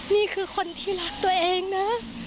นี่คือคนที่รักตัวเองนะ